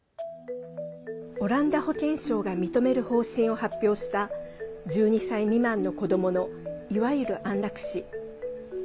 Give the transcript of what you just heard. オランダ保健省が認める方針を発表した１２歳未満の子どものいわゆる安楽死。